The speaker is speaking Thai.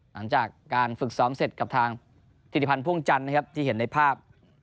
หลังจากการฝึกซ้อมเสร็จกับทางธิริพันธ์พ่วงจันทร์นะครับที่เห็นในภาพ